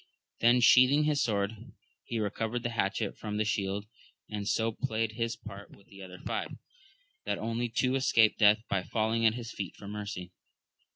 Then sheathing his sword, he recovered the hatchet from the shield, and so played his part with the other five, that only two escaped death by falling at his feet for mercy.